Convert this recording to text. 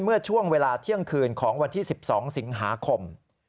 เมื่อช่วงเวลาเที่ยงคืนของวันที่๑๒สิงหาคม